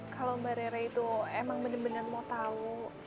kalau mba rere itu emang benar benar mau tahu